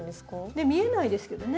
ねっ見えないですけどね。